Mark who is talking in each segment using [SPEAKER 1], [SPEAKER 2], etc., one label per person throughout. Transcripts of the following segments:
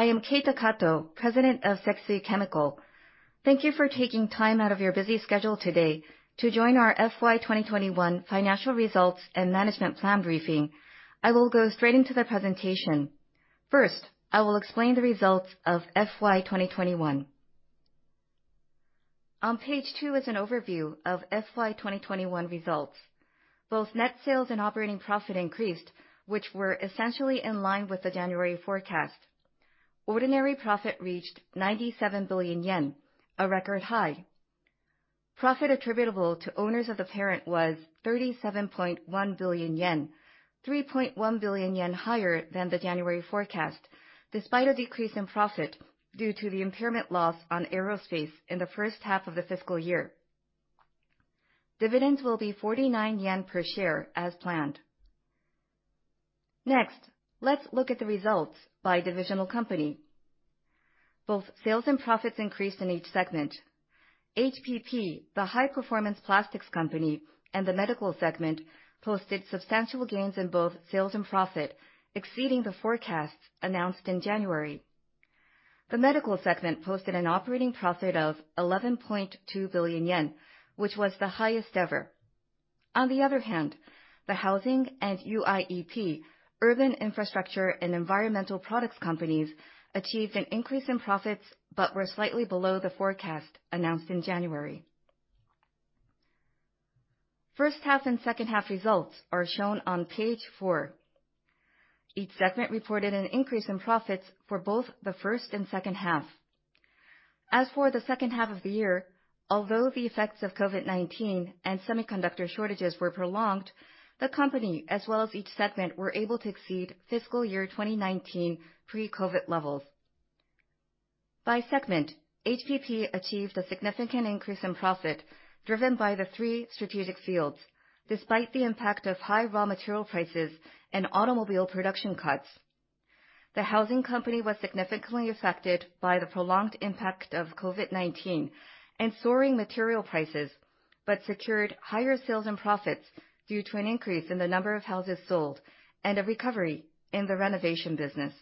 [SPEAKER 1] I am Keita Kato, President of Sekisui Chemical. Thank you for taking time out of your busy schedule today to join our FY 2021 financial results and management plan briefing. I will go straight into the presentation. First, I will explain the results of FY 2021. On page two is an overview of FY 2021 results. Both net sales and operating profit increased, which were essentially in line with the January forecast. Ordinary profit reached 97 billion yen, a record high. Profit attributable to owners of the parent was 37.1 billion yen, 3.1 billion yen higher than the January forecast, despite a decrease in profit due to the impairment loss on Sekisui Aerospace in the H1 of the fiscal year. Dividends will be 49 yen per share as planned. Next, let's look at the results by divisional company. Both sales and profits increased in each segment. HPP, the High Performance Plastics Company, and the medical segment posted substantial gains in both sales and profit, exceeding the forecasts announced in January. The medical segment posted an operating profit of 11.2 billion yen, which was the highest ever. On the other hand, the Housing Company and UIEP, Urban Infrastructure and Environmental Products Company, achieved an increase in profits, but were slightly below the forecast announced in January. H1 and H2 results are shown on page four. Each segment reported an increase in profits for both the first and H2. As for the H2 of the year, although the effects of COVID-19 and semiconductor shortages were prolonged, the company, as well as each segment, were able to exceed fiscal year 2019 pre-COVID levels. By segment, HPP achieved a significant increase in profit, driven by the three strategic fields, despite the impact of high raw material prices and automobile production cuts. The Housing Company was significantly affected by the prolonged impact of COVID-19 and soaring material prices, but secured higher sales and profits due to an increase in the number of houses sold and a recovery in the renovation business.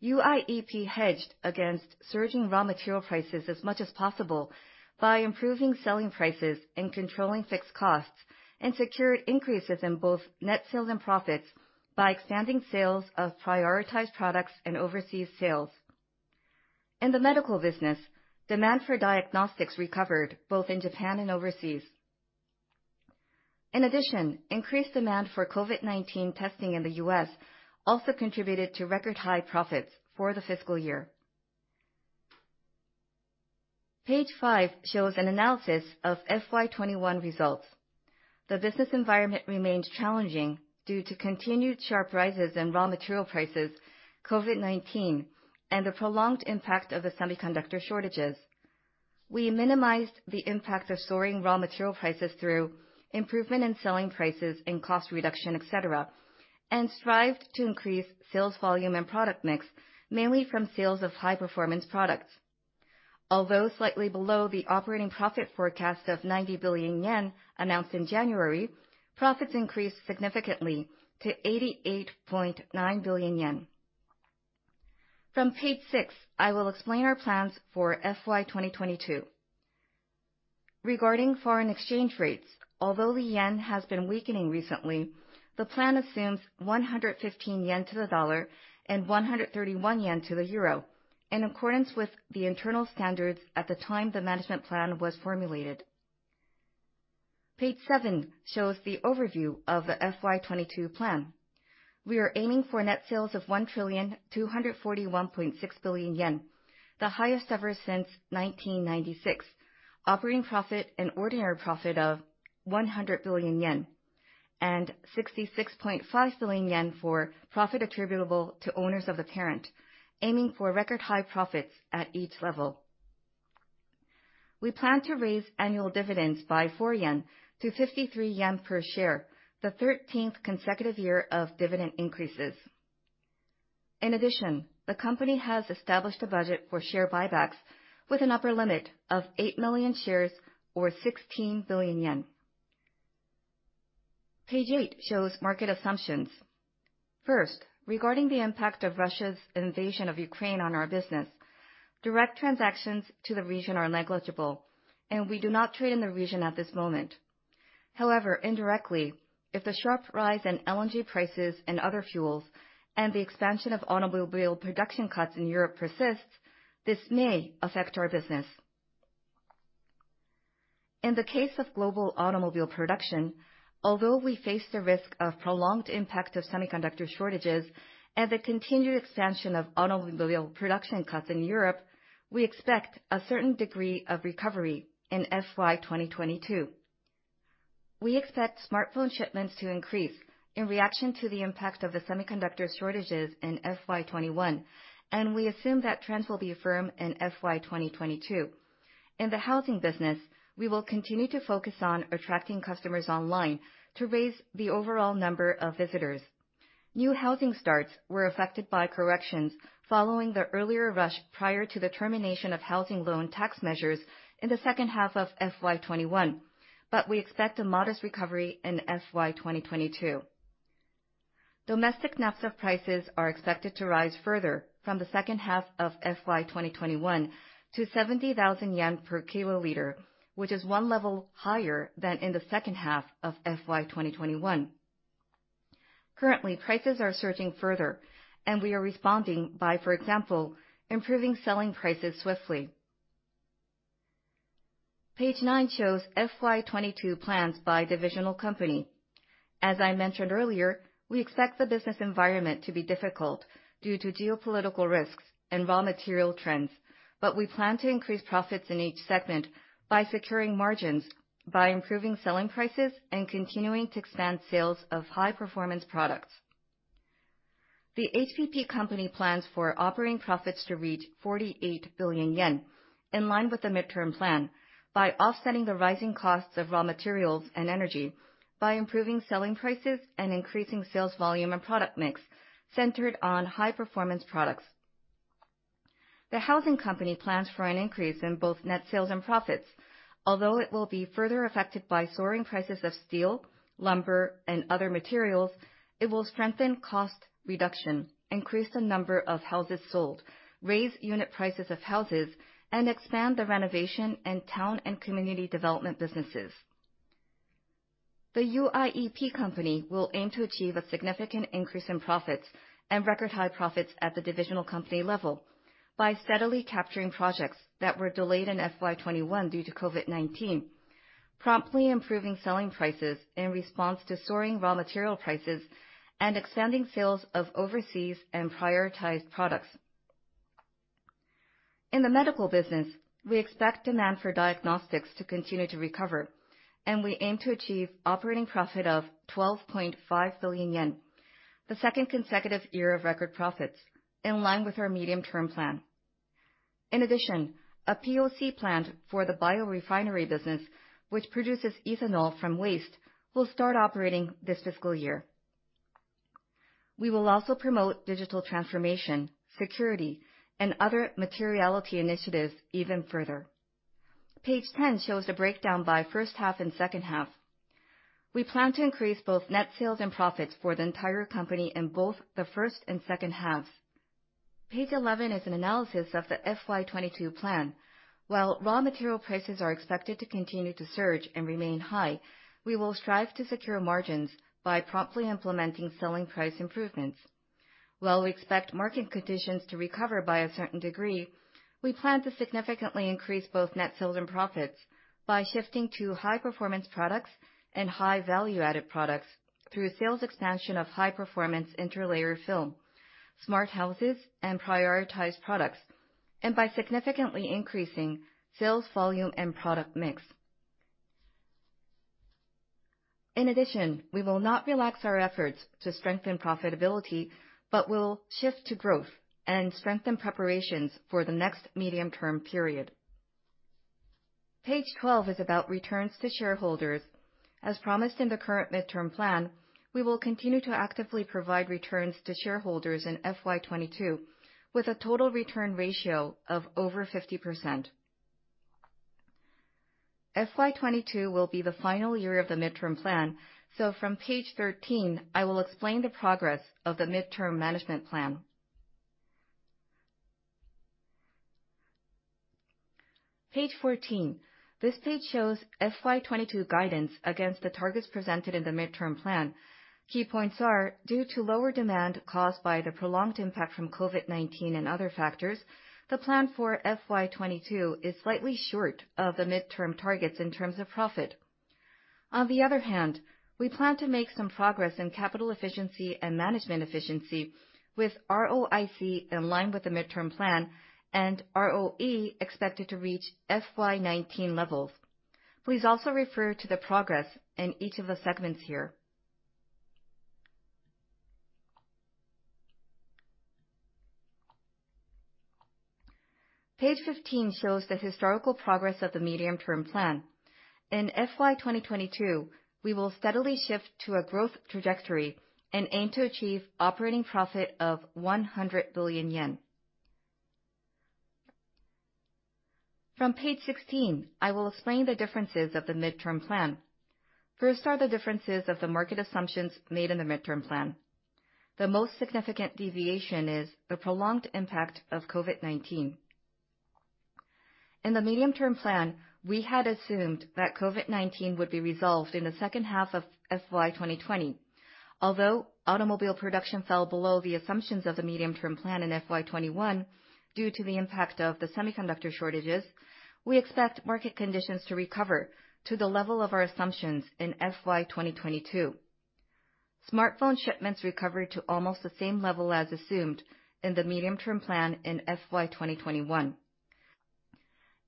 [SPEAKER 1] UIEP hedged against surging raw material prices as much as possible by improving selling prices and controlling fixed costs, and secured increases in both net sales and profits by expanding sales of prioritized products and overseas sales. In the medical business, demand for diagnostics recovered both in Japan and overseas. In addition, increased demand for COVID-19 testing in the U.S. also contributed to record high profits for the fiscal year. Page five shows an analysis of FY 2021 results. The business environment remained challenging due to continued sharp rises in raw material prices, COVID-19, and the prolonged impact of the semiconductor shortages. We minimized the impact of soaring raw material prices through improvement in selling prices and cost reduction, et cetera, and strived to increase sales volume and product mix, mainly from sales of high-performance products. Although slightly below the operating profit forecast of 90 billion yen announced in January, profits increased significantly to 88.9 billion yen. From page six, I will explain our plans for FY 2022. Regarding foreign exchange rates, although the yen has been weakening recently, the plan assumes 115 yen to the dollar and 131 yen to the euro, in accordance with the internal standards at the time the management plan was formulated. Page seven shows the overview of the FY 2022 plan. We are aiming for net sales of 1,241.6 billion yen, the highest ever since 1996. Operating profit and ordinary profit of 100 billion yen. Sixty-six point five billion yen for profit attributable to owners of the parent, aiming for record high profits at each level. We plan to raise annual dividends by 4 yen to 53 yen per share, the 13th consecutive year of dividend increases. In addition, the company has established a budget for share buybacks with an upper limit of 8 million shares or 16 billion yen. Page eight shows market assumptions. First, regarding the impact of Russia's invasion of Ukraine on our business, direct transactions to the region are negligible, and we do not trade in the region at this moment. However, indirectly, if the sharp rise in LNG prices and other fuels and the expansion of automobile production cuts in Europe persists, this may affect our business. In the case of global automobile production, although we face the risk of prolonged impact of semiconductor shortages and the continued expansion of automobile production cuts in Europe, we expect a certain degree of recovery in FY 2022. We expect smartphone shipments to increase in reaction to the impact of the semiconductor shortages in FY 2021, and we assume that trends will be firm in FY 2022. In the housing business, we will continue to focus on attracting customers online to raise the overall number of visitors. New housing starts were affected by corrections following the earlier rush prior to the termination of housing loan tax measures in the H2 of FY 2021, but we expect a modest recovery in FY 2022. Domestic naphtha prices are expected to rise further from the H2 of FY 2021 to 70,000 yen per kiloliter, which is one level higher than in the H2 of FY 2021. Currently, prices are surging further, and we are responding by, for example, improving selling prices swiftly. Page nine shows FY 2022 plans by divisional company. As I mentioned earlier, we expect the business environment to be difficult due to geopolitical risks and raw material trends. We plan to increase profits in each segment by securing margins, by improving selling prices, and continuing to expand sales of high-performance products. The HPP company plans for operating profits to reach 48 billion yen, in line with the midterm plan, by offsetting the rising costs of raw materials and energy by improving selling prices and increasing sales volume and product mix centered on high-performance products. The housing company plans for an increase in both net sales and profits. Although it will be further affected by soaring prices of steel, lumber, and other materials, it will strengthen cost reduction, increase the number of houses sold, raise unit prices of houses, and expand the renovation and town and community development businesses. The UIEP company will aim to achieve a significant increase in profits and record high profits at the divisional company level by steadily capturing projects that were delayed in FY 2021 due to COVID-19, promptly improving selling prices in response to soaring raw material prices, and expanding sales of overseas and prioritized products. In the medical business, we expect demand for diagnostics to continue to recover, and we aim to achieve operating profit of 12.5 billion yen, the second consecutive year of record profits, in line with our medium-term plan. In addition, a POC plant for the biorefinery business, which produces ethanol from waste, will start operating this fiscal year. We will also promote digital transformation, security, and other materiality initiatives even further. Page 10 shows the breakdown by H1 and H2. We plan to increase both net sales and profits for the entire company in both the first and second halves. Page 11 is an analysis of the FY 2022 plan. While raw material prices are expected to continue to surge and remain high, we will strive to secure margins by promptly implementing selling price improvements. While we expect market conditions to recover by a certain degree, we plan to significantly increase both net sales and profits by shifting to high-performance products and high value-added products through sales expansion of high-performance interlayer film, smart houses, and prioritized products, and by significantly increasing sales volume and product mix. In addition, we will not relax our efforts to strengthen profitability, but will shift to growth and strengthen preparations for the next medium-term period. Page 12 is about returns to shareholders. As promised in the current midterm plan, we will continue to actively provide returns to shareholders in FY 2022, with a total return ratio of over 50%. FY 2022 will be the final year of the midterm plan, so from page 13, I will explain the progress of the midterm management plan. Page 14. This page shows FY 2022 guidance against the targets presented in the midterm plan. Key points are due to lower demand caused by the prolonged impact from COVID-19 and other factors, the plan for FY 2022 is slightly short of the midterm targets in terms of profit. On the other hand, we plan to make some progress in capital efficiency and management efficiency with ROIC in line with the midterm plan and ROE expected to reach FY 2019 levels. Please also refer to the progress in each of the segments here. Page 15 shows the historical progress of the medium-term plan. In FY 2022, we will steadily shift to a growth trajectory and aim to achieve operating profit of 100 billion yen. From page 16, I will explain the differences of the midterm plan. First are the differences of the market assumptions made in the midterm plan. The most significant deviation is the prolonged impact of COVID-19. In the medium-term plan, we had assumed that COVID-19 would be resolved in the H2 of FY 2020. Although automobile production fell below the assumptions of the medium-term plan in FY 2021 due to the impact of the semiconductor shortages, we expect market conditions to recover to the level of our assumptions in FY 2022. Smartphone shipments recovered to almost the same level as assumed in the medium-term plan in FY 2021.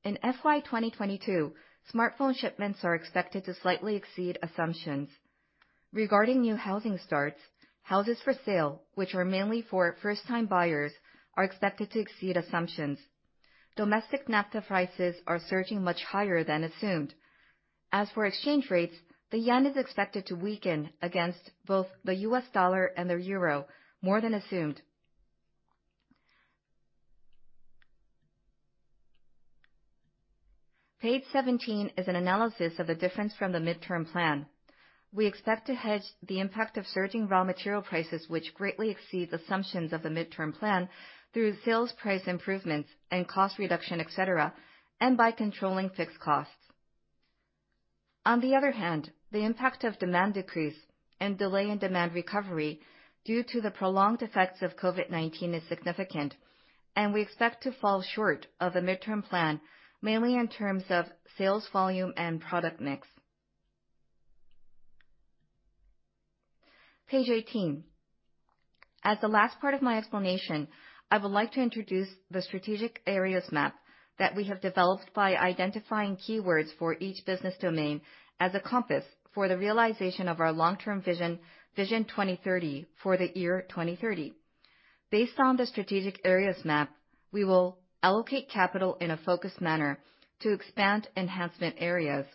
[SPEAKER 1] In FY 2022, smartphone shipments are expected to slightly exceed assumptions. Regarding new housing starts, houses for sale, which are mainly for first-time buyers, are expected to exceed assumptions. Domestic naphtha prices are surging much higher than assumed. As for exchange rates, the yen is expected to weaken against both the US dollar and the euro more than assumed. Page 17 is an analysis of the difference from the midterm plan. We expect to hedge the impact of surging raw material prices, which greatly exceeds assumptions of the midterm plan through sales price improvements and cost reduction, et cetera, and by controlling fixed costs. On the other hand, the impact of demand decrease and delay in demand recovery due to the prolonged effects of COVID-19 is significant, and we expect to fall short of the midterm plan, mainly in terms of sales volume and product mix. Page 18. As the last part of my explanation, I would like to introduce the strategic areas map that we have developed by identifying keywords for each business domain as a compass for the realization of our long-term vision, Vision 2030 for the year 2030. Based on the strategic areas map, we will allocate capital in a focused manner to expand enhancement areas.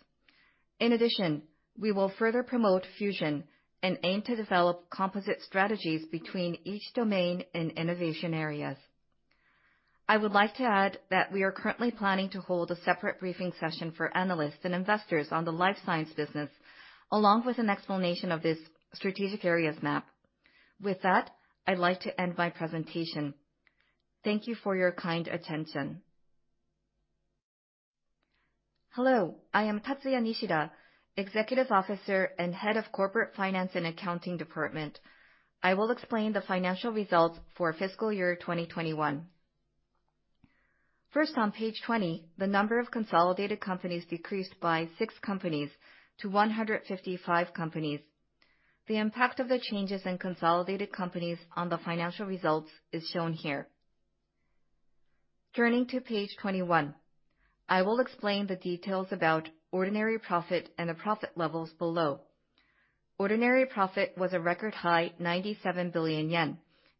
[SPEAKER 1] In addition, we will further promote fusion and aim to develop composite strategies between each domain and innovation areas. I would like to add that we are currently planning to hold a separate briefing session for analysts and investors on the life science business, along with an explanation of this strategic areas map. With that, I'd like to end my presentation. Thank you for your kind attention.
[SPEAKER 2] Hello, I am Tatsuya Nishida, Executive Officer and Head of Corporate Finance & Accounting Department. I will explain the financial results for fiscal year 2021. First, on page 20, the number of consolidated companies decreased by 6 companies to 155 companies. The impact of the changes in consolidated companies on the financial results is shown here. Turning to page 21, I will explain the details about ordinary profit and the profit levels below. Ordinary profit was a record high 97 billion yen,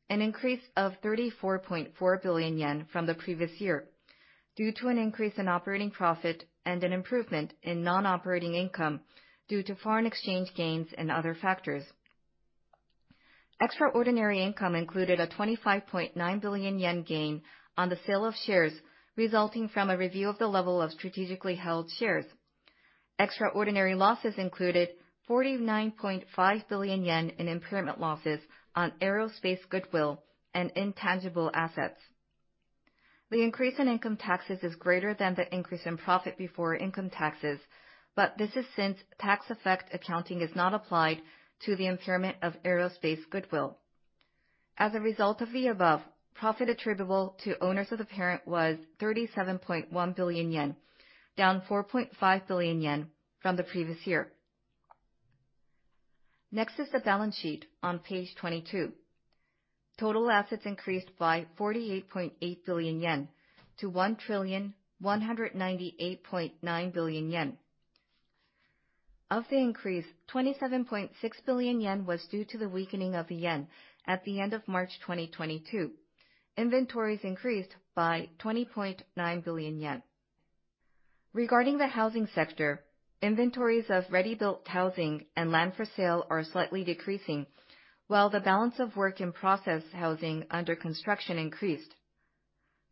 [SPEAKER 2] an increase of 34.4 billion yen from the previous year due to an increase in operating profit and an improvement in non-operating income due to foreign exchange gains and other factors. Extraordinary income included a 25.9 billion yen gain on the sale of shares, resulting from a review of the level of strategically held shares. Extraordinary losses included 49.5 billion yen in impairment losses on aerospace goodwill and intangible assets. The increase in income taxes is greater than the increase in profit before income taxes, but this is since tax effect accounting is not applied to the impairment of aerospace goodwill. As a result of the above, profit attributable to owners of the parent was 37.1 billion yen, down 4.5 billion yen from the previous year. Next is the balance sheet on page 22. Total assets increased by 48.8 billion yen to 1,198.9 billion yen. Of the increase, 27.6 billion yen was due to the weakening of the yen at the end of March 2022. Inventories increased by 20.9 billion yen. Regarding the housing sector, inventories of ready-built housing and land for sale are slightly decreasing, while the balance of work in process housing under construction increased.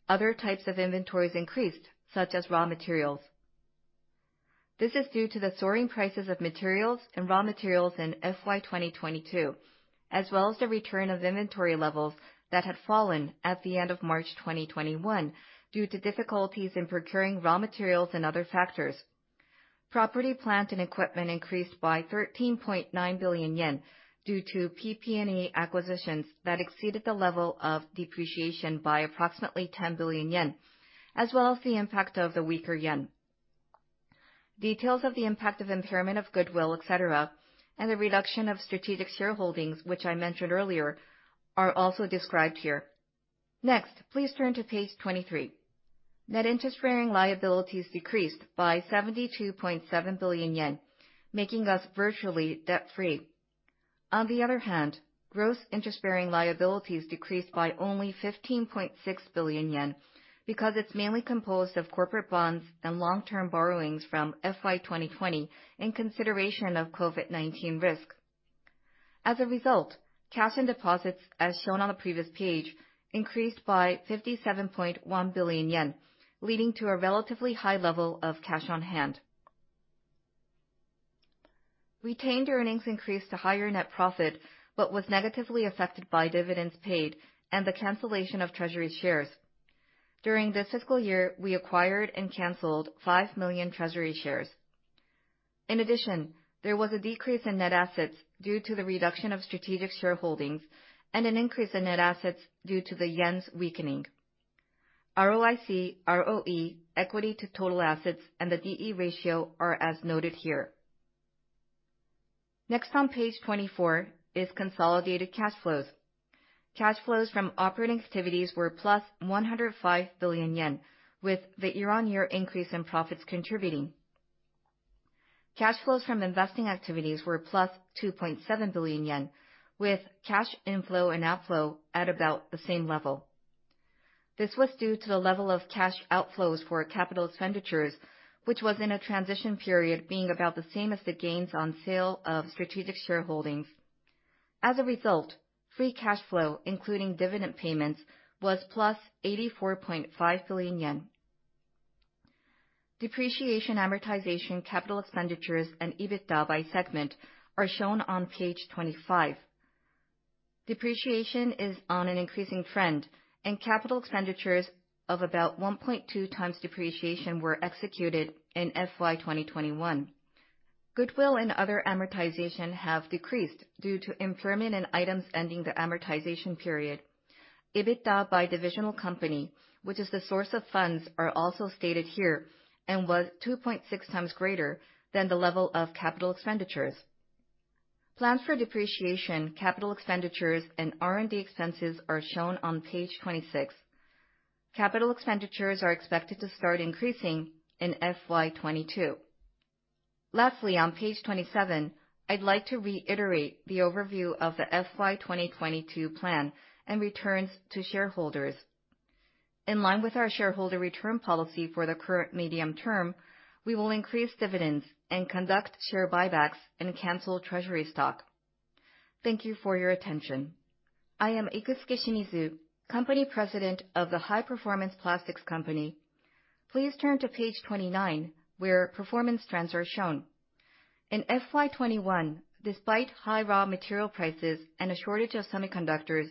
[SPEAKER 2] Other types of inventories increased, such as raw materials. This is due to the soaring prices of materials and raw materials in FY 2022, as well as the return of inventory levels that had fallen at the end of March 2021 due to difficulties in procuring raw materials and other factors. Property, plant, and equipment increased by 13.9 billion yen due to PP&E acquisitions that exceeded the level of depreciation by approximately 10 billion yen, as well as the impact of the weaker yen. Details of the impact of impairment of goodwill, et cetera, and the reduction of strategic shareholdings, which I mentioned earlier, are also described here. Next, please turn to page 23. Net interest-bearing liabilities decreased by 72.7 billion yen, making us virtually debt-free. On the other hand, gross interest-bearing liabilities decreased by only 15.6 billion yen because it's mainly composed of corporate bonds and long-term borrowings from FY 2020 in consideration of COVID-19 risk. As a result, cash and deposits, as shown on the previous page, increased by 57.1 billion yen, leading to a relatively high level of cash on hand. Retained earnings increased to higher net profit, but was negatively affected by dividends paid and the cancellation of treasury shares. During this fiscal year, we acquired and canceled 5 million treasury shares. In addition, there was a decrease in net assets due to the reduction of strategic shareholdings and an increase in net assets due to the yen's weakening. ROIC, ROE, equity to total assets, and the D/E ratio are as noted here. Next on page 24 is consolidated cash flows.
[SPEAKER 1] Cash flows from operating activities were 105 billion yen, with the year-on-year increase in profits contributing. Cash flows from investing activities were 2.7 billion yen, with cash inflow and outflow at about the same level. This was due to the level of cash outflows for capital expenditures, which was in a transition period being about the same as the gains on sale of strategic shareholdings. As a result, free cash flow, including dividend payments, was 84.5 billion yen. Depreciation, amortization, capital expenditures, and EBITDA by segment are shown on page 25. Depreciation is on an increasing trend, and capital expenditures of about 1.2x depreciation were executed in FY 2021. Goodwill and other amortization have decreased due to impairment in items ending the amortization period.
[SPEAKER 3] EBITDA by divisional company, which is the source of funds, are also stated here, and was 2.6 times greater than the level of capital expenditures. Plans for depreciation, capital expenditures, and R&D expenses are shown on page 26. Capital expenditures are expected to start increasing in FY 2022. Lastly, on page 27, I'd like to reiterate the overview of the FY 2022 plan and returns to shareholders. In line with our shareholder return policy for the current medium term, we will increase dividends and conduct share buybacks and cancel treasury stock. Thank you for your attention. I am Ikusuke Shimizu, Company President of the High Performance Plastics Company. Please turn to page 29, where performance trends are shown. In FY 2021, despite high raw material prices and a shortage of semiconductors,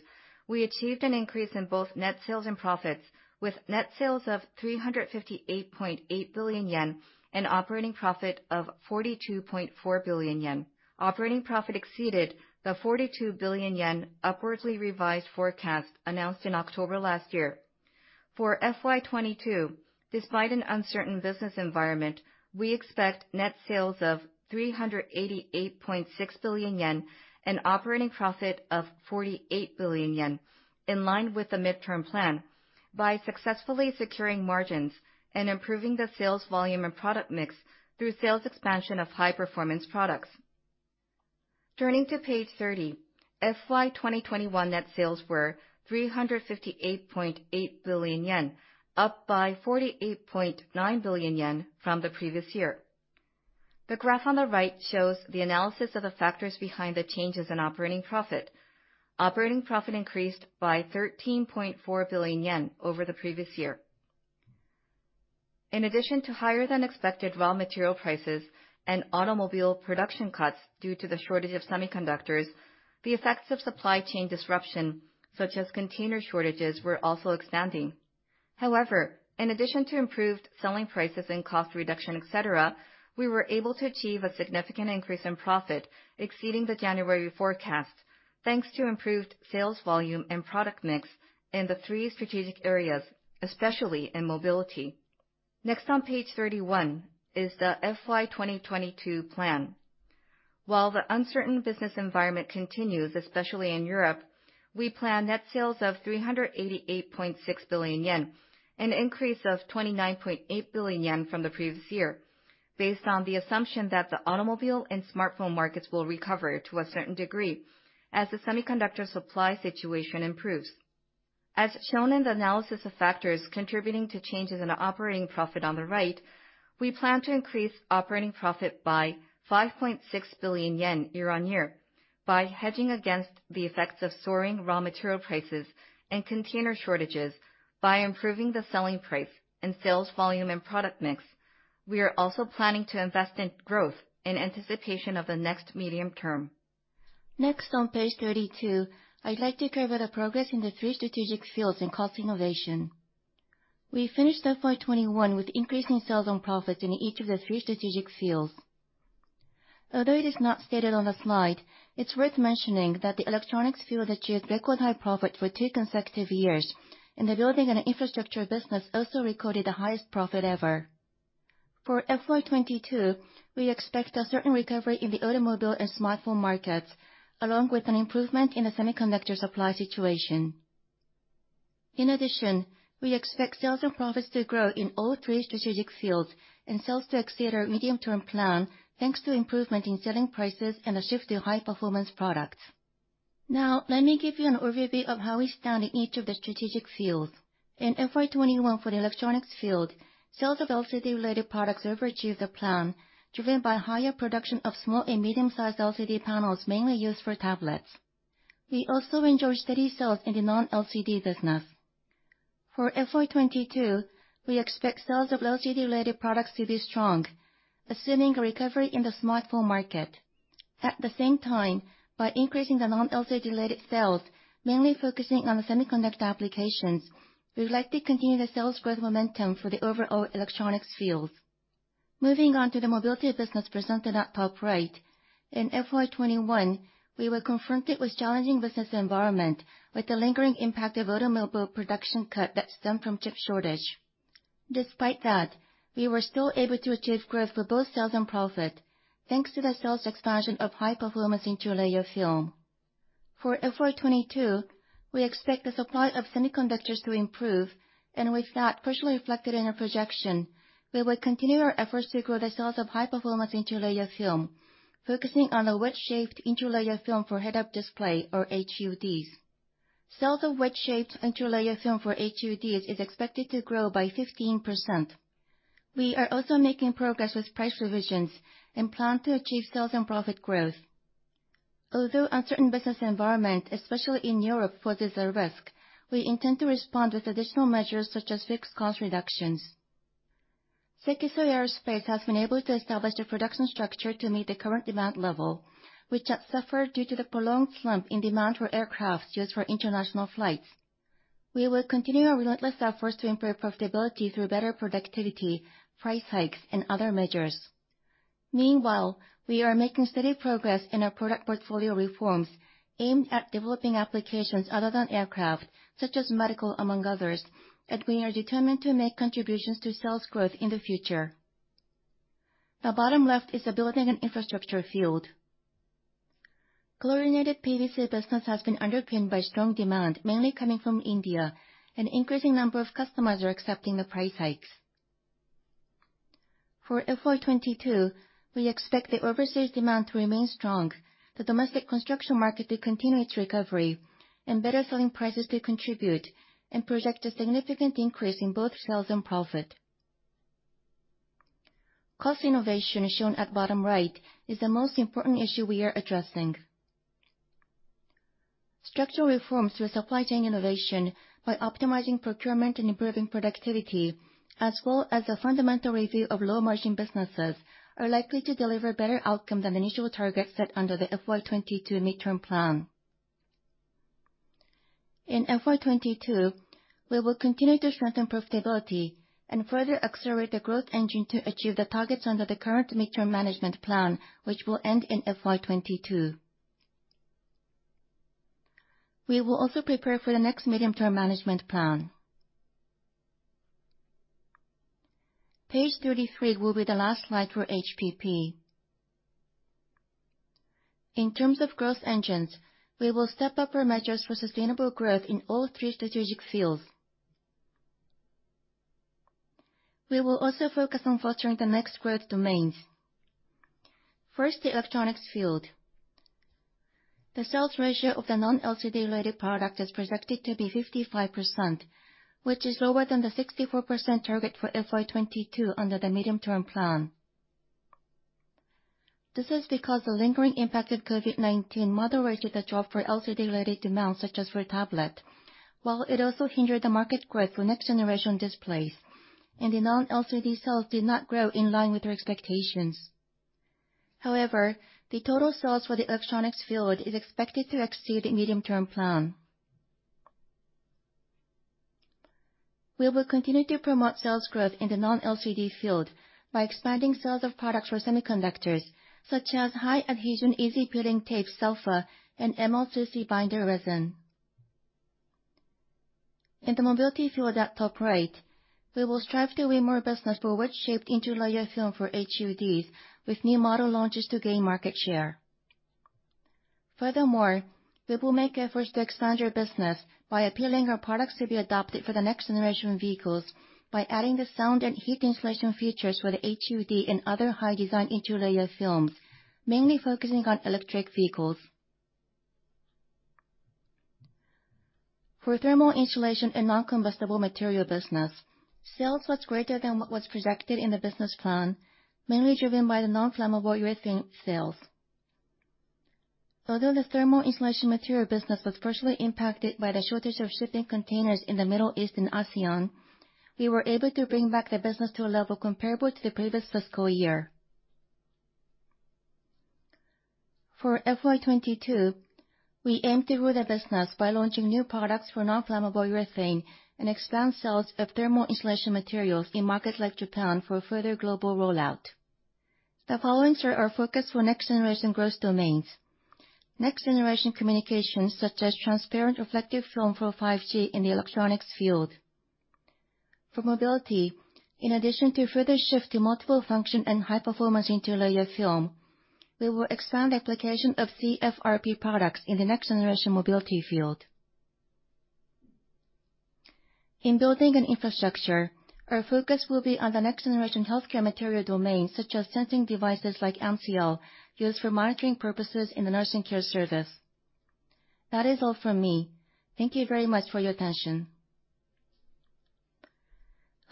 [SPEAKER 3] we achieved an increase in both net sales and profits, with net sales of 358.8 billion yen, and operating profit of 42.4 billion yen. Operating profit exceeded the 42 billion yen upwardly revised forecast announced in October last year. For FY 2022, despite an uncertain business environment, we expect net sales of 388.6 billion yen, and operating profit of 48 billion yen, in line with the midterm plan, by successfully securing margins and improving the sales volume and product mix through sales expansion of high performance products. Turning to page 30, FY 2021 net sales were 358.8 billion yen, up by 48.9 billion yen from the previous year. The graph on the right shows the analysis of the factors behind the changes in operating profit. Operating profit increased by 13.4 billion yen over the previous year. In addition to higher than expected raw material prices and automobile production cuts due to the shortage of semiconductors, the effects of supply chain disruption, such as container shortages, were also expanding. However, in addition to improved selling prices and cost reduction, et cetera, we were able to achieve a significant increase in profit exceeding the January forecast, thanks to improved sales volume and product mix in the three strategic areas, especially in mobility. Next, on page 31, is the FY 2022 plan. While the uncertain business environment continues, especially in Europe, we plan net sales of 388.6 billion yen, an increase of 29.8 billion yen from the previous year, based on the assumption that the automobile and smartphone markets will recover to a certain degree as the semiconductor supply situation improves. As shown in the analysis of factors contributing to changes in operating profit on the right, we plan to increase operating profit by 5.6 billion yen year-on-year by hedging against the effects of soaring raw material prices and container shortages by improving the selling price and sales volume and product mix. We are also planning to invest in growth in anticipation of the next medium term. Next, on page 32, I'd like to cover the progress in the three strategic fields in cost innovation. We finished FY 2021 with increasing sales and profit in each of the three strategic fields. Although it is not stated on the slide, it's worth mentioning that the electronics field achieved record high profit for two consecutive years. The building and infrastructure business also recorded the highest profit ever. For FY 2022, we expect a certain recovery in the automobile and smartphone markets, along with an improvement in the semiconductor supply situation. In addition, we expect sales and profits to grow in all three strategic fields, and sales to exceed our medium-term plan, thanks to improvement in selling prices and a shift to high performance products. Now, let me give you an overview of how we stand in each of the strategic fields. In FY 2021 for the electronics field, sales of LCD-related products overachieved the plan, driven by higher production of small and medium-sized LCD panels mainly used for tablets. We also enjoyed steady sales in the non-LCD business. For FY 2022, we expect sales of LCD-related products to be strong, assuming a recovery in the smartphone market. At the same time, by increasing the non-LCD-related sales, mainly focusing on the semiconductor applications, we would like to continue the sales growth momentum for the overall electronics fields. Moving on to the mobility business presented at top right. In FY 2021, we were confronted with challenging business environment, with the lingering impact of automobile production cut that stemmed from chip shortage. Despite that, we were still able to achieve growth for both sales and profit, thanks to the sales expansion of high-performance interlayer film. For FY 2022, we expect the supply of semiconductors to improve. With that partially reflected in our projection, we will continue our efforts to grow the sales of high-performance interlayer film, focusing on the wedge-shaped interlayer film for head-up display, or HUDs. Sales of wedge-shaped interlayer film for HUDs is expected to grow by 15%. We are also making progress with price revisions and plan to achieve sales and profit growth. Although the uncertain business environment, especially in Europe, poses a risk, we intend to respond with additional measures, such as fixed cost reductions. Sekisui Aerospace has been able to establish a production structure to meet the current demand level, which had suffered due to the prolonged slump in demand for aircraft used for international flights. We will continue our relentless efforts to improve profitability through better productivity, price hikes, and other measures. Meanwhile, we are making steady progress in our product portfolio reforms aimed at developing applications other than aircraft, such as medical, among others, and we are determined to make contributions to sales growth in the future. The bottom left is the building and infrastructure field. Chlorinated PVC business has been underpinned by strong demand, mainly coming from India. An increasing number of customers are accepting the price hikes. For FY 2022, we expect the overseas demand to remain strong, the domestic construction market to continue its recovery, and better selling prices to contribute, and project a significant increase in both sales and profit. Cost innovation, as shown at bottom right, is the most important issue we are addressing. Structural reforms through supply chain innovation by optimizing procurement and improving productivity, as well as a fundamental review of low-margin businesses, are likely to deliver better outcome than the initial targets set under the FY 2022 midterm plan. In FY 2022, we will continue to strengthen profitability and further accelerate the growth engine to achieve the targets under the current midterm management plan, which will end in FY 2022. We will also prepare for the next medium-term management plan. Page 33 will be the last slide for HPP. In terms of growth engines, we will step up our measures for sustainable growth in all three strategic fields. We will also focus on fostering the next growth domains. First, the electronics field. The sales ratio of the non-LCD related product is projected to be 55%, which is lower than the 64% target for FY 2022 under the medium-term plan. This is because the lingering impact of COVID-19 moderated the drop for LCD related demands, such as for tablet, while it also hindered the market growth for next-generation displays, and the non-LCD sales did not grow in line with their expectations. However, the total sales for the electronics field is expected to exceed the medium-term plan. We will continue to promote sales growth in the non-LCD field by expanding sales of products for semiconductors, such as high adhesion, easy peeling tape, SELFA, and MLCC binder resin. In the mobility field at top right, we will strive to win more business for wedge-shaped interlayer film for HUDs with new model launches to gain market share. Furthermore, we will make efforts to expand our business by appealing our products to be adopted for the next generation of vehicles by adding the sound and heat insulation features for the HUD and other high design interlayer films, mainly focusing on electric vehicles. For thermal insulation and non-combustible material business, sales was greater than what was projected in the business plan, mainly driven by the non-flammable urethane sales. Although the thermal insulation material business was partially impacted by the shortage of shipping containers in the Middle East and ASEAN, we were able to bring back the business to a level comparable to the previous fiscal year. For FY 2022, we aim to grow the business by launching new products for non-flammable urethane and expand sales of thermal insulation materials in markets like Japan for a further global rollout. The following are our focus for next-generation growth domains. Next-generation communications, such as transparent reflective film for 5G in the electronics field. For mobility, in addition to further shift to multiple function and high-performance interlayer film, we will expand application of CFRP products in the next-generation mobility field. In building an infrastructure, our focus will be on the next-generation healthcare material domain, such as sensing devices like ANSIEL, used for monitoring purposes in the nursing care service. That is all from me. Thank you very much for your attention.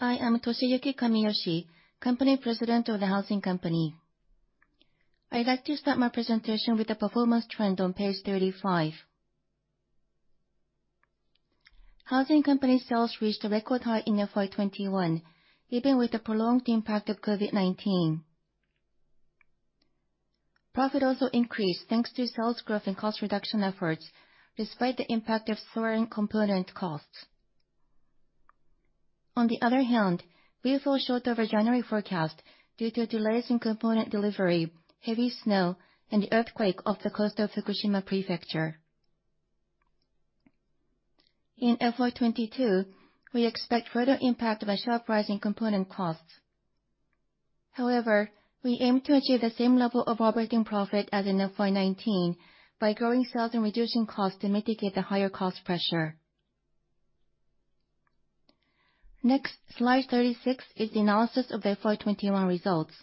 [SPEAKER 4] I am Toshiyuki Kamiyoshi, Company President of the Housing Company. I'd like to start my presentation with the performance trend on page 35. Housing Company sales reached a record high in FY 2021, even with the prolonged impact of COVID-19. Profit also increased, thanks to sales growth and cost reduction efforts, despite the impact of soaring component costs. On the other hand, we fall short of our January forecast due to delays in component delivery, heavy snow, and the earthquake off the coast of Fukushima Prefecture. In FY 2022, we expect further impact of a sharp rise in component costs. However, we aim to achieve the same level of operating profit as in FY 2019 by growing sales and reducing costs to mitigate the higher cost pressure. Next, slide 36 is the analysis of FY 2021 results.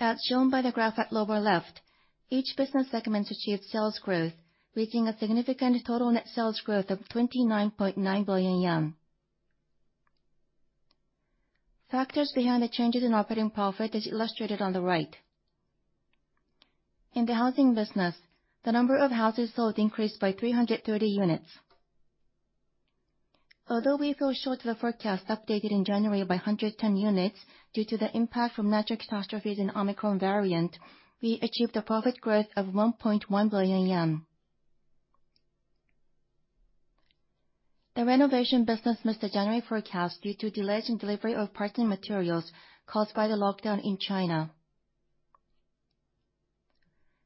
[SPEAKER 4] As shown by the graph at lower left, each business segments achieved sales growth, reaching a significant total net sales growth of 29.9 billion yen. Factors behind the changes in operating profit is illustrated on the right. In the housing business, the number of houses sold increased by 330 units. Although we fell short of the forecast updated in January by 110 units due to the impact from natural catastrophes and Omicron variant, we achieved a profit growth of 1.1 billion yen. The renovation business missed the January forecast due to delays in delivery of parts and materials caused by the lockdown in China.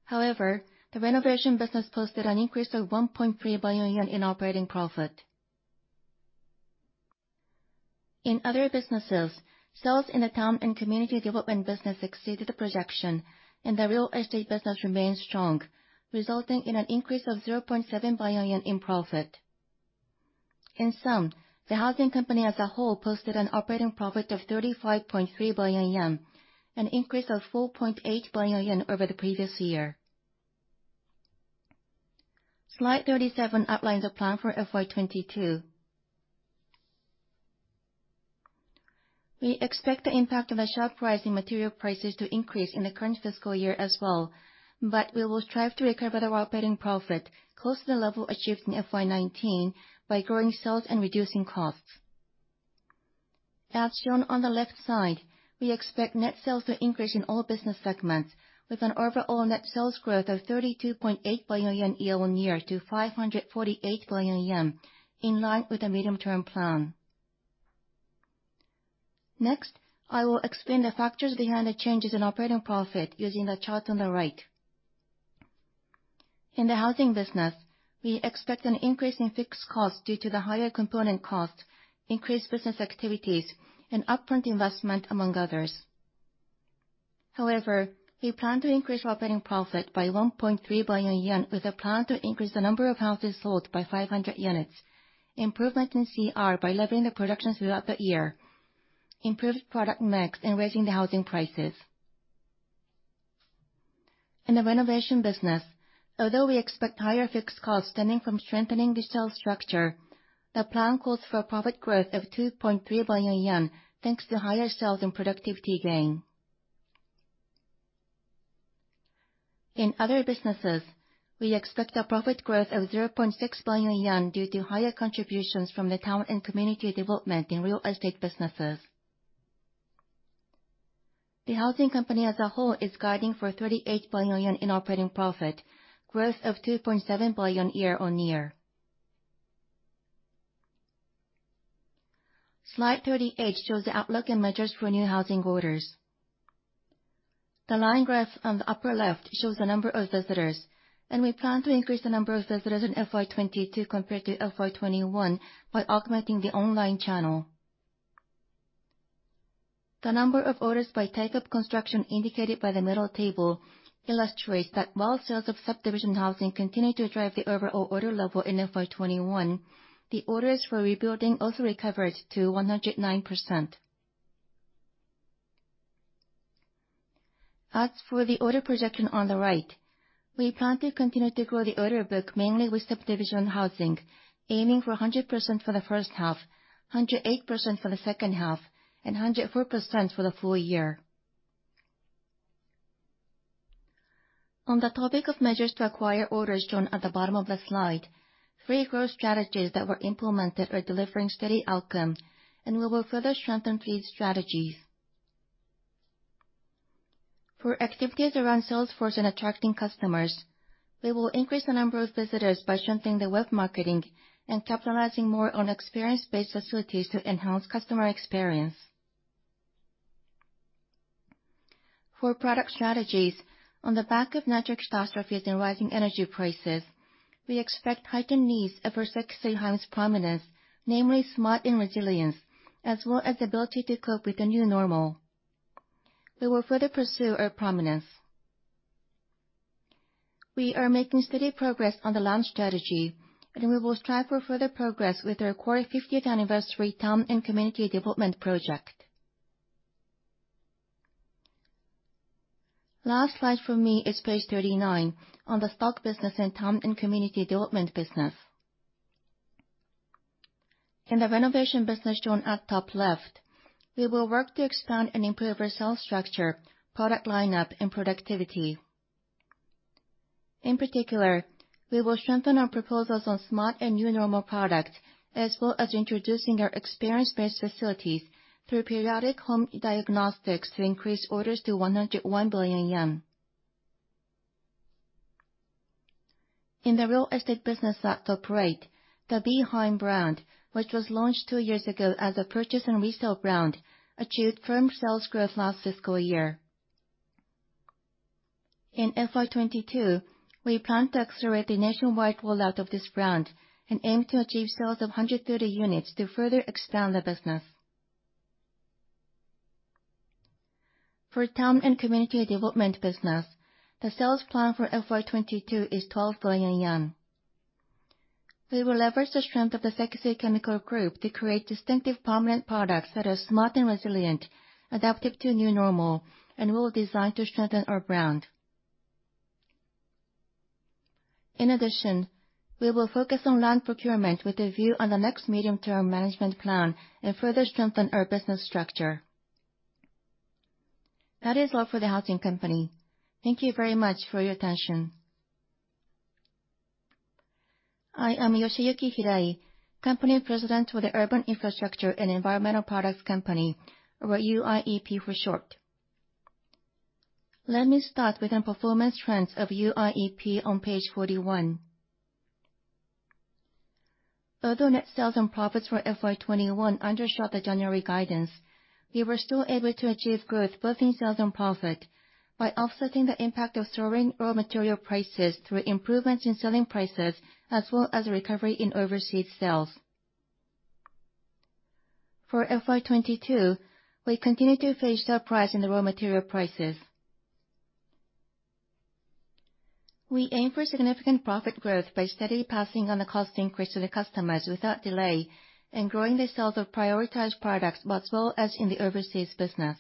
[SPEAKER 4] However, the renovation business posted an increase of 1.3 billion yen in operating profit. In other businesses, sales in the town and community development business exceeded the projection, and the real estate business remains strong, resulting in an increase of 0.7 billion in profit. In sum, the Housing Company as a whole posted an operating profit of 35.3 billion yen, an increase of 4.8 billion yen over the previous year. Slide 37 outlines a plan for FY 2022. We expect the impact of the sharp rise in material prices to increase in the current fiscal year as well, but we will strive to recover the operating profit close to the level achieved in FY 2019 by growing sales and reducing costs. As shown on the left side, we expect net sales to increase in all business segments with an overall net sales growth of 32.8 billion yen year-on-year to 548 billion yen, in line with the medium-term plan. Next, I will explain the factors behind the changes in operating profit using the chart on the right. In the housing business, we expect an increase in fixed costs due to the higher component costs, increased business activities, and upfront investment, among others. However, we plan to increase operating profit by 1.3 billion yen with a plan to increase the number of houses sold by 500 units, improvement in CR by leveling the production throughout the year, improved product mix, and raising the housing prices. In the renovation business, although we expect higher fixed costs stemming from strengthening the sales structure, the plan calls for a profit growth of 2.3 billion yen, thanks to higher sales and productivity gain. In other businesses, we expect a profit growth of JPY 0.6 billion due to higher contributions from the town and community development in real estate businesses. The Housing Company as a whole is guiding for 38 billion yen in operating profit, growth of 2.7 billion year-on-year. Slide 38 shows the outlook and measures for new housing orders. The line graph on the upper left shows the number of visitors, and we plan to increase the number of visitors in FY 2022 compared to FY 2021 by augmenting the online channel. The number of orders by type of construction indicated by the middle table illustrates that while sales of subdivision housing continue to drive the overall order level in FY 2021, the orders for rebuilding also recovered to 109%. As for the order projection on the right, we plan to continue to grow the order book mainly with subdivision housing, aiming for 100% for the H1, 108% for the H2, and 104% for the full year. On the topic of measures to acquire orders shown at the bottom of the slide, three growth strategies that were implemented are delivering steady outcome, and we will further strengthen these strategies. For activities around sales force and attracting customers, we will increase the number of visitors by strengthening the web marketing and capitalizing more on experience-based facilities to enhance customer experience. For product strategies, on the back of natural catastrophes and rising energy prices, we expect heightened needs of our six-state homes prominence, namely smart and resilience, as well as ability to cope with the new normal. We will further pursue our prominence. We are making steady progress on the land strategy, and we will strive for further progress with our 50th anniversary town and community development project. Last slide for me is page 39 on the housing business and town and community development business. In the renovation business shown at top left, we will work to expand and improve our sales structure, product lineup, and productivity. In particular, we will strengthen our proposals on smart and new normal products, as well as introducing our experience-based facilities through periodic home diagnostics to increase orders to 101 billion yen. In the real estate business at top right, the Be Heim brand, which was launched two years ago as a purchase and resale brand, achieved firm sales growth last fiscal year. In FY 2022, we plan to accelerate the nationwide rollout of this brand and aim to achieve sales of 130 units to further expand the business. For town and community development business, the sales plan for FY 2022 is 12 billion yen. We will leverage the strength of the Sekisui Chemical Group to create distinctive permanent products that are smart and resilient, adaptive to new normal, and well designed to strengthen our brand. In addition, we will focus on land procurement with a view on the next medium-term management plan, and further strengthen our business structure. That is all for the Housing Company. Thank you very much for your attention.
[SPEAKER 5] I am Yoshiyuki Hirai, Company President for the Urban Infrastructure and Environmental Products Company, or UIEP for short. Let me start with the performance trends of UIEP on page 41. Although net sales and profits for FY 2021 undershot the January guidance, we were still able to achieve growth both in sales and profit by offsetting the impact of soaring raw material prices through improvements in selling prices as well as a recovery in overseas sales. For FY 2022, we continue to face the rise in the raw material prices. We aim for significant profit growth by steadily passing on the cost increase to the customers without delay and growing the sales of prioritized products, as well as in the overseas business.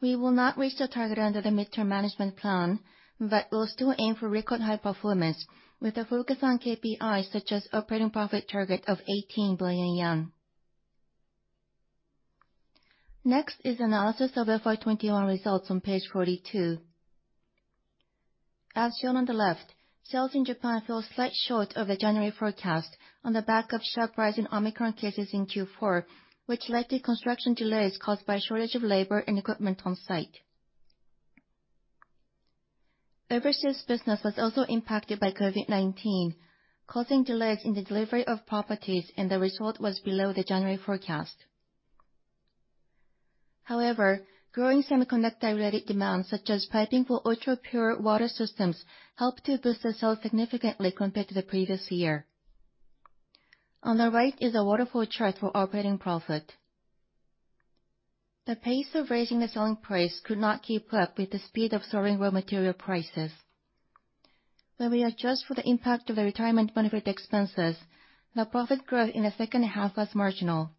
[SPEAKER 5] We will not reach the target under the midterm management plan, but we'll still aim for record high performance with a focus on KPIs such as operating profit target of 18 billion yen. Next is analysis of FY 2021 results on page 42. As shown on the left, sales in Japan fell slightly short of the January forecast on the back of sharp rise in Omicron cases in Q4, which led to construction delays caused by shortage of labor and equipment on site. Overseas business was also impacted by COVID-19, causing delays in the delivery of properties, and the result was below the January forecast. However, growing semiconductor-related demand, such as piping for ultra-pure water systems, helped to boost the sales significantly compared to the previous year. On the right is a waterfall chart for operating profit. The pace of raising the selling price could not keep up with the speed of soaring raw material prices. When we adjust for the impact of the retirement benefit expenses, the profit growth in the H2 was marginal.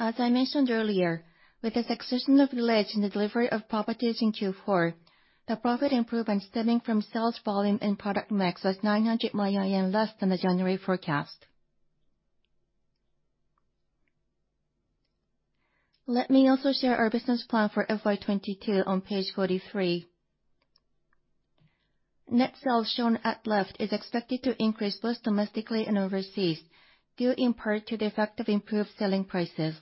[SPEAKER 5] As I mentioned earlier, with the succession of delays in the delivery of properties in Q4, the profit improvement stemming from sales volume and product mix was 900 million yen less than the January forecast. Let me also share our business plan for FY 2022 on page 43. Net sales shown at left is expected to increase both domestically and overseas, due in part to the effect of improved selling prices.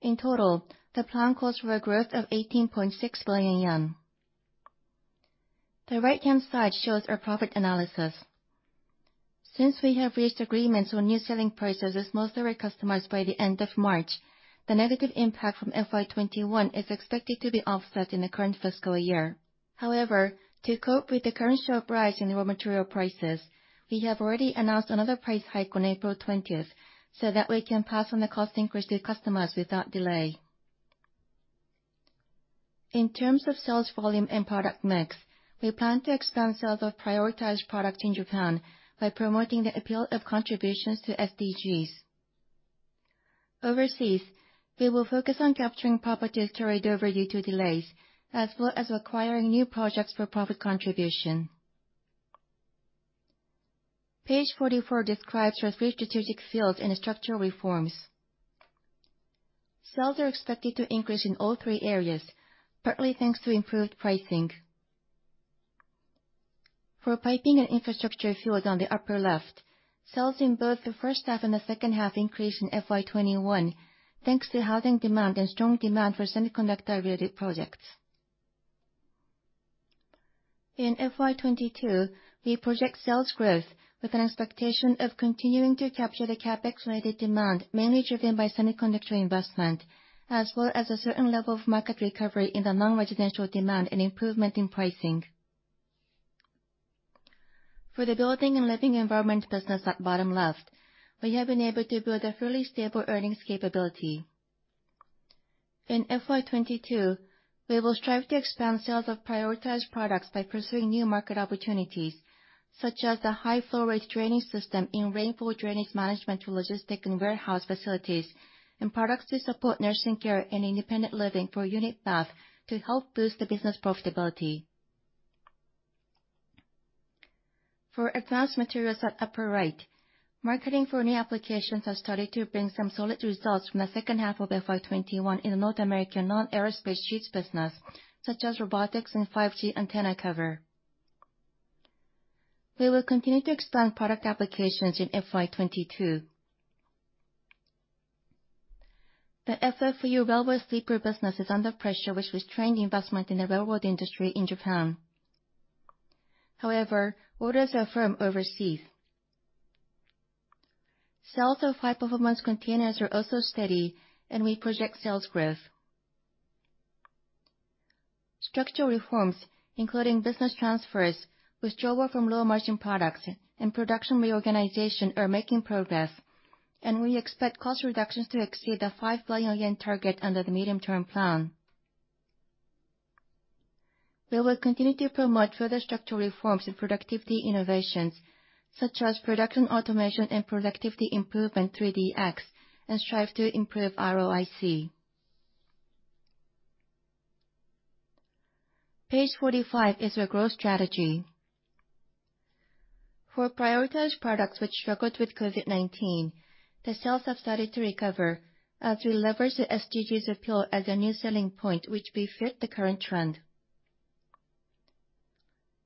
[SPEAKER 5] In total, the plan calls for a growth of 18.6 billion yen. The right-hand side shows our profit analysis. Since we have reached agreements on new selling prices with most of our customers by the end of March, the negative impact from FY 2021 is expected to be offset in the current fiscal year. However, to cope with the current sharp rise in the raw material prices, we have already announced another price hike on April 20, so that we can pass on the cost increase to customers without delay. In terms of sales volume and product mix, we plan to expand sales of prioritized products in Japan by promoting the appeal of contributions to SDGs. Overseas, we will focus on capturing properties carried over due to delays, as well as acquiring new projects for profit contribution. Page 44 describes our three strategic fields and structural reforms. Sales are expected to increase in all three areas, partly thanks to improved pricing. For piping and infrastructure field on the upper left, sales in both the H1 and the H2 increased in FY 2021, thanks to housing demand and strong demand for semiconductor-related projects. In FY 2022, we project sales growth with an expectation of continuing to capture the CapEx-related demand, mainly driven by semiconductor investment, as well as a certain level of market recovery in the non-residential demand and improvement in pricing. For the building and living environment business at bottom left, we have been able to build a fairly stable earnings capability. In FY 2022, we will strive to expand sales of prioritized products by pursuing new market opportunities, such as the high flow rate draining system in rainfall drainage management to logistic and warehouse facilities, and products to support nursing care and independent living for unit bath to help boost the business profitability. For advanced materials at upper right, marketing for new applications has started to bring some solid results from the H2 of FY 2021 in the North American non-aerospace sheets business, such as robotics and 5G antenna cover. We will continue to expand product applications in FY 2022. The FFU railway sleeper business is under pressure, which restrained investment in the railroad industry in Japan. However, orders are firm overseas. Sales of high-performance containers are also steady, and we project sales growth. Structural reforms, including business transfers, withdrawal from low-margin products, and production reorganization are making progress. We expect cost reductions to exceed the 5 billion yen target under the medium-term plan. We will continue to promote further structural reforms and productivity innovations, such as production automation and productivity improvement through DX, and strive to improve ROIC. Page 45 is our growth strategy. For prioritized products which struggled with COVID-19, the sales have started to recover as we leverage the SDGs appeal as a new selling point which befits the current trend.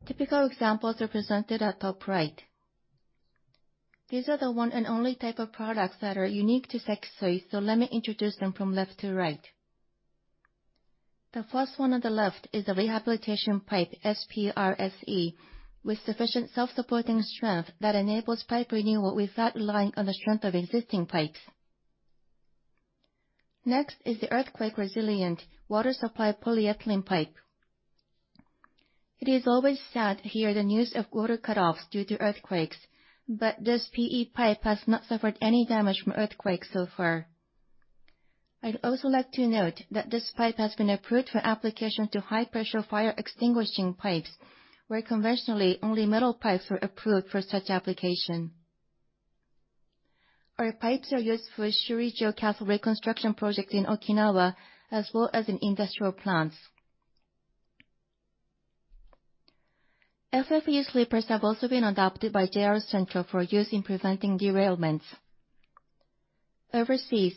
[SPEAKER 5] Typical examples are presented at top right. These are the one and only type of products that are unique to Sekisui, so let me introduce them from left to right. The first one on the left is a rehabilitation pipe, SPR-SE, with sufficient self-supporting strength that enables pipe renewal without relying on the strength of existing pipes. Next is the earthquake-resilient water supply polyethylene pipe. It is always sad to hear the news of water cutoffs due to earthquakes, but this PE pipe has not suffered any damage from earthquakes so far. I'd also like to note that this pipe has been approved for application to high-pressure fire extinguishing pipes, where conventionally, only metal pipes were approved for such application. Our pipes are used for Shuri Castle reconstruction project in Okinawa, as well as in industrial plants. FFU sleepers have also been adopted by JR Central for use in preventing derailments. Overseas,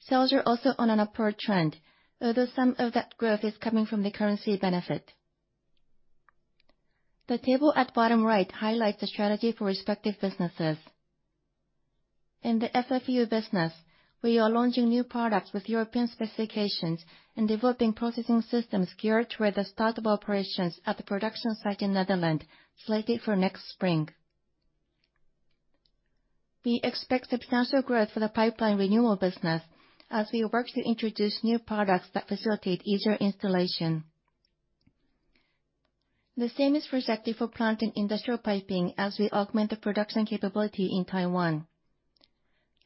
[SPEAKER 5] sales are also on an upward trend, although some of that growth is coming from the currency benefit. The table at bottom right highlights the strategy for respective businesses. In the FFU business, we are launching new products with European specifications and developing processing systems geared toward the start of operations at the production site in the Netherlands, slated for next spring. We expect substantial growth for the pipeline renewal business as we work to introduce new products that facilitate easier installation. The same is projected for plant and industrial piping as we augment the production capability in Taiwan.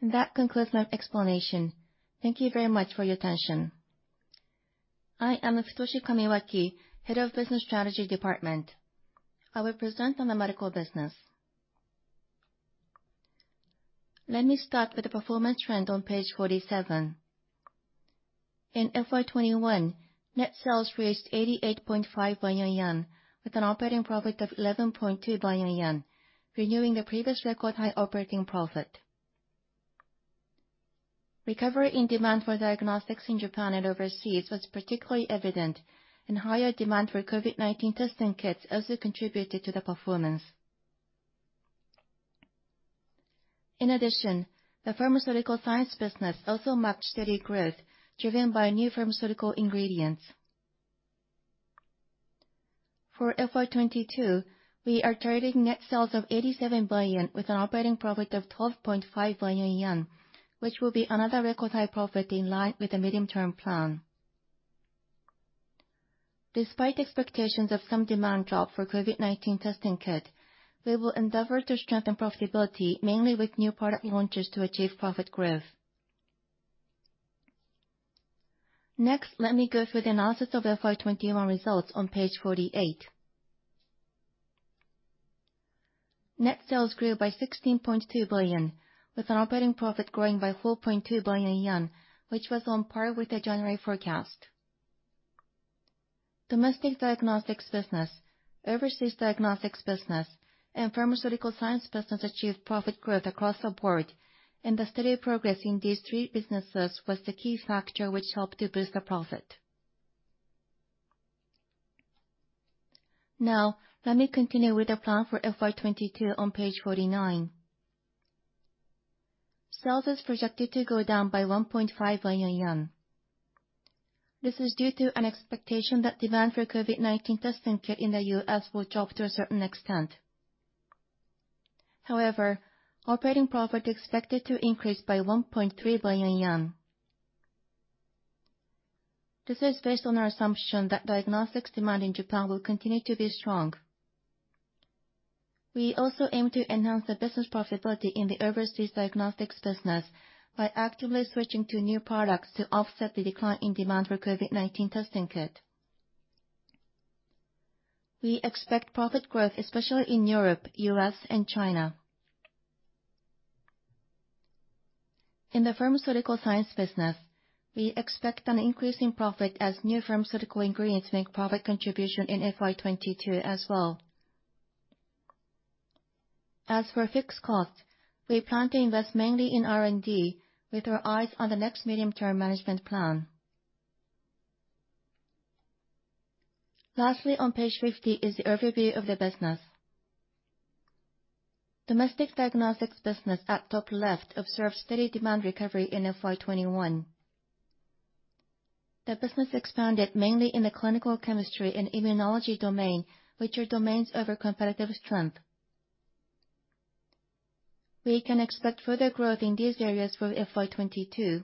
[SPEAKER 5] That concludes my explanation. Thank you very much for your attention.
[SPEAKER 6] I am Futoshi Kamiwaki, Head of Business Strategy Department. I will present on the medical business. Let me start with the performance trend on page 47. In FY 2021, net sales reached 88.5 billion yen, with an operating profit of 11.2 billion yen, renewing the previous record high operating profit. Recovery in demand for diagnostics in Japan and overseas was particularly evident, and higher demand for COVID-19 testing kits also contributed to the performance. In addition, the pharmaceutical science business also marked steady growth, driven by new pharmaceutical ingredients. For FY 2022, we are targeting net sales of 87 billion, with an operating profit of 12.5 billion yen, which will be another record high profit in line with the medium-term plan. Despite expectations of some demand drop for COVID-19 testing kit, we will endeavor to strengthen profitability, mainly with new product launches to achieve profit growth. Next, let me go through the analysis of FY 2021 results on page 48. Net sales grew by 16.2 billion, with an operating profit growing by 4.2 billion yen, which was on par with the January forecast. Domestic diagnostics business, overseas diagnostics business, and pharmaceutical science business achieved profit growth across the board, and the steady progress in these three businesses was the key factor which helped to boost the profit. Now, let me continue with the plan for FY 2022 on page 49. Sales is projected to go down by 1.5 billion yen. This is due to an expectation that demand for COVID-19 testing kit in the U.S. will drop to a certain extent. However, operating profit expected to increase by 1.3 billion yen. This is based on our assumption that diagnostics demand in Japan will continue to be strong. We also aim to enhance the business profitability in the overseas diagnostics business by actively switching to new products to offset the decline in demand for COVID-19 testing kit. We expect profit growth, especially in Europe, U.S., and China. In the pharmaceutical science business, we expect an increase in profit as new pharmaceutical ingredients make profit contribution in FY 2022 as well. As for fixed costs, we plan to invest mainly in R&D with our eyes on the next medium-term management plan. Lastly, on page 50 is the overview of the business. Domestic diagnostics business at top left observed steady demand recovery in FY 2021. The business expanded mainly in the clinical chemistry and immunology domain, which are domains of our competitive strength. We can expect further growth in these areas for FY 2022.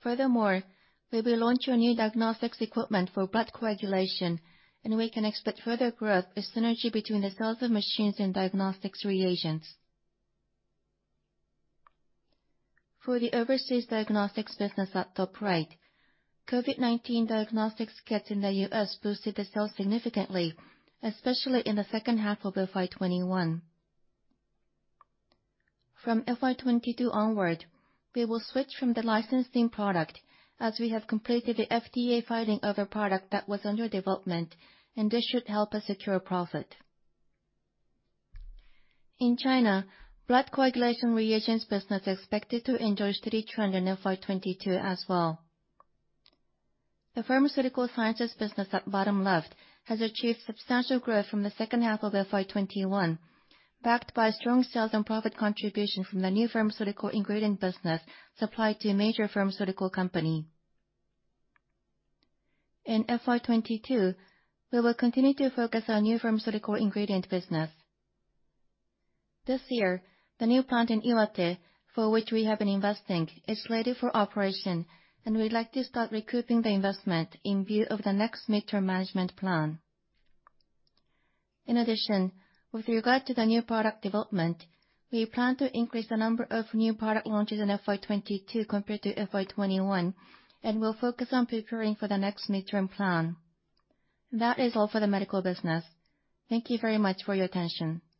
[SPEAKER 6] Furthermore, we will launch our new diagnostics equipment for blood coagulation, and we can expect further growth as synergy between the sales of machines and diagnostics reagents. For the overseas diagnostics business at top right, COVID-19 diagnostics kits in the U.S. boosted the sales significantly, especially in the H2 of FY 2021. From FY 2022 onward, we will switch from the licensing product as we have completed the FDA filing of a product that was under development, and this should help us secure profit. In China, blood coagulation reagents business expected to enjoy steady trend in FY 2022 as well. The pharmaceutical sciences business at bottom left has achieved substantial growth from the H2 of FY 2021, backed by strong sales and profit contribution from the new pharmaceutical ingredient business supplied to a major pharmaceutical company. In FY 2022, we will continue to focus on new pharmaceutical ingredient business. This year, the new plant in Iwate, for which we have been investing, is slated for operation and we'd like to start recouping the investment in view of the next mid-term management plan. In addition, with regard to the new product development, we plan to increase the number of new product launches in FY 2022 compared to FY 2021, and we'll focus on preparing for the next mid-term plan. That is all for the medical business. Thank you very much for your attention.